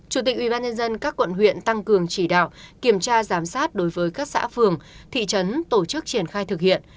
chủ tịch ubnd các quận huyện tăng cường chỉ đạo kiểm tra giám sát đối với các xã phường thị trấn tổ chức triển khai thực hiện